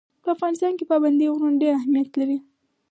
په افغانستان کې پابندی غرونه ډېر اهمیت لري.